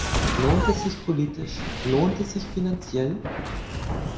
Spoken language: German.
Lohnt es sich politisch, lohnt es sich finanziell?